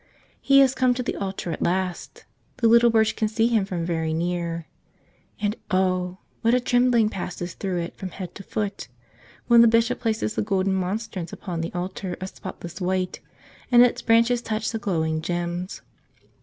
He has come to the altar at last. The little Birch can see Him from very near. And oh! what a trem¬ bling passes through it from head to foot when the bishop places the golden monstrance upon the altar of spotless white and its branches touch the glowing gems.